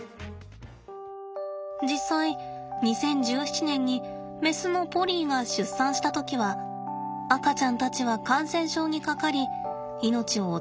実際２０１７年にメスのポリーが出産した時は赤ちゃんたちは感染症にかかり命を落としてしまいました。